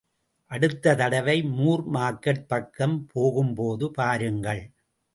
அடுத்த தடவை மூர் மார்க்கெட் பக்கம் போகும்போது பாருங்கள்.